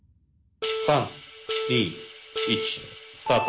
３２１スタート。